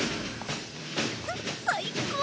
最高！